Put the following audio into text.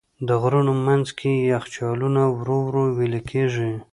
د غرونو منځ کې یخچالونه ورو ورو وېلې کېږي.